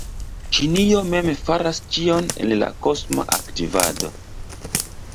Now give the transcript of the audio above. Ĉinio mem faras ĉion en la kosma aktivado.